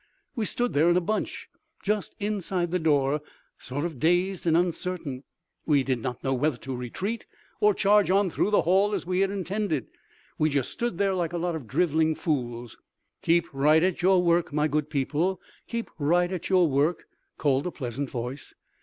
We stood there in a bunch, just inside the door, sort of dazed and uncertain. We did not know whether to retreat, or charge on through the hall as we had intended. We just stood there like a lot of driveling fools. "Keep right at your work, my good people. Keep right at your work!" called a pleasant voice.